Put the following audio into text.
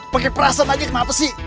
pakai perasaan aja kenapa sih